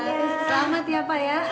selamat ya pak